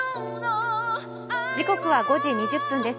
時刻は５時２０分です。